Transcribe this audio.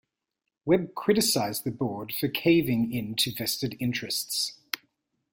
Webb criticised the board for caving in to vested interests.